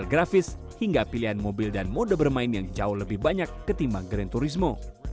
grafis hingga pilihan mobil dan mode bermain yang jauh lebih banyak ketimbang grand turismo